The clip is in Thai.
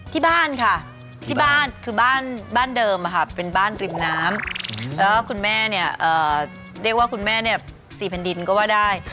ที่บ้านค่ะที่บ้านคือบ้านเดิมเป็นบ้านริมน้ำแล้วคุณแม่เนี่ยเรียกว่าคุณแม่เนี่ย๔แผ่นดินก็ว่าได้